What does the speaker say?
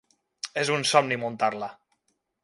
És un somni muntar-la.